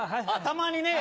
たまにね。